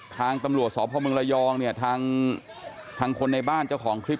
ทางตำรวจสพมระยองเนี่ยทางคนในบ้านเจ้าของคลิป